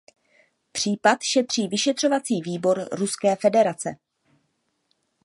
Případ šetří Vyšetřovací výbor Ruské federace.